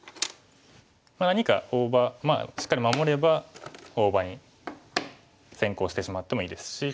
まあ何か大場しっかり守れば大場に先行してしまってもいいですし。